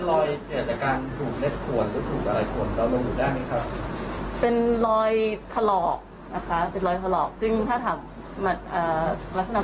หรือว่าเป็นรอยเกี่ยวกับการถูกเล็กขวดหรือถูกอะไรขวดเจ้าลงหุดได้ไหมครับ